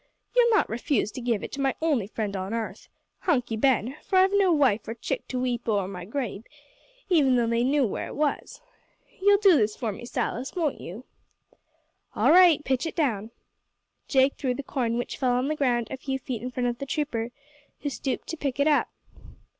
You'll not refuse to give it to my only friend on arth, Hunky Ben, for I've no wife or chick to weep o'er my grave, even though they knew where it was. You'll do this for me, Silas, won't you?" "All right pitch it down." Jake threw the coin, which fell on the ground a few feet in front of the trooper, who stooped to pick it up.